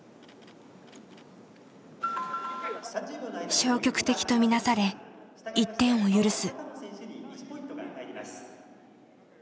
消極的と見なされ１点を許す。